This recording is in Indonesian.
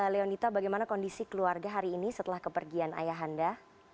leonita bagaimana kondisi keluarga hari ini setelah kepergian ayah anda